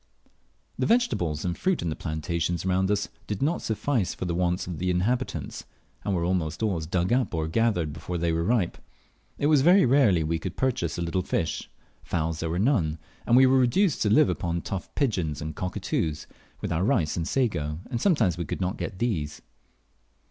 The vegetables and fruit in the plantations around us did not suffice for the wants of the inhabitants, and were almost always dug up or gathered before they were ripe. It was very rarely we could purchase a little fish; fowls there were none; and we were reduced to live upon tough pigeons and cockatoos, with our rice and sago, and sometimes we could not get these.